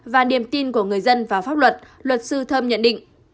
và niềm tin của người dân vào pháp luật luật sư thơm nhận định